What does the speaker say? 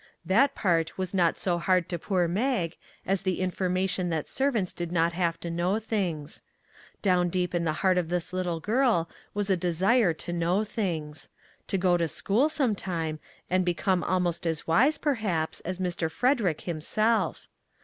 That part was not so hard to poor Mag as the information that serv ants did not have to know things. Down deep in the heart of this little girl was a desire 191 MAG AND MARGARET to know things. To go to school, sometime, and become almost as wise, perhaps, as Mr. Frederick himself.